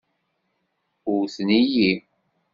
Wten-iyi.